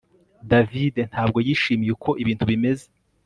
David ntabwo yishimiye uko ibintu bimeze